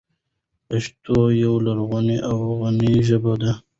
پښتو یوه لرغونې او غني ژبه ده.